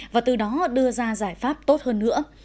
và từ đó đưa ra giải pháp tốt hơn nữa